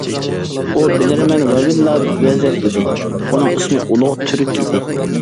ئۇ بىلەرمەن ۋە لىللا ۋەزىر ئىدى، ئۇنىڭ ئىسمى ئۇلۇغ تۈرك ئىدى.